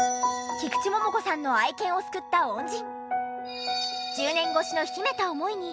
菊池桃子さんの愛犬を救った恩人。